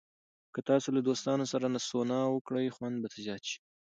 که تاسو له دوستانو سره سونا وکړئ، خوند به زیات شي.